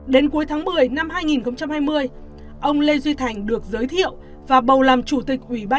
đến cuối tháng một mươi năm hai nghìn hai mươi ông lê duy thành được giới thiệu và bầu làm chủ tịch ủy ban